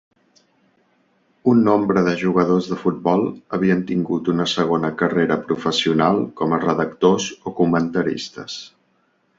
Un nombre de jugadors de futbol havien tingut una segona carrera professional com a redactors o comentaristes.